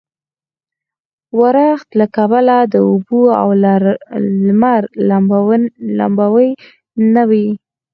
ورښت له کبله د اوبو او لمر لمباوې نه وې.